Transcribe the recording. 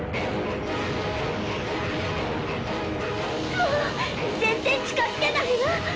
もう全然近づけないわ！